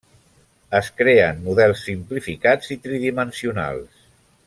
Es creen models simplificats i tridimensionals.